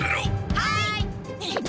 はい！